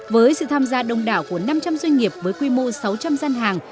với sự tham gia đông đảo của năm trăm linh doanh nghiệp với quy mô sáu trăm linh gian hàng